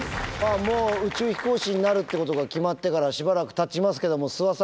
もう宇宙飛行士になるっていうことが決まってからしばらくたちますけども諏訪さん